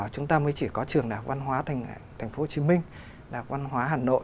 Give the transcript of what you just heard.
chúng ta mới chỉ có trường đh tp hcm đh hn